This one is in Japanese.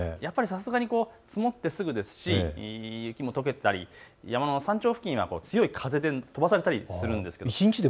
さすがに積もってすぐですし雪もとけていたり山の山頂付近は強い風で飛ばされたりするんです。